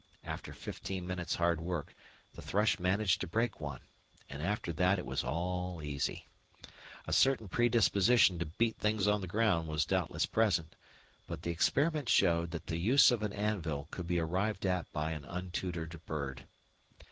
After fifteen minutes' hard work, the thrush managed to break one, and after that it was all easy. A certain predisposition to beat things on the ground was doubtless present, but the experiment showed that the use of an anvil could be arrived at by an untutored bird.